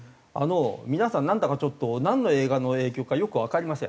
皆さんなんだかちょっとなんの映画の影響かよくわかりません。